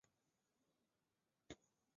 该单曲有初回限定版和通常版两种版本。